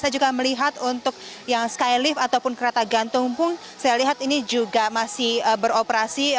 saya juga melihat untuk yang skylift ataupun kereta gantung pun saya lihat ini juga masih beroperasi